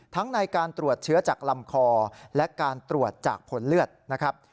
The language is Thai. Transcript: ในการตรวจเชื้อจากลำคอและการตรวจจากผลเลือดนะครับ